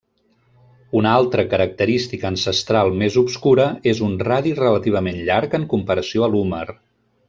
Una altra característica ancestral més obscura és un radi relativament llarg en comparació a l'húmer.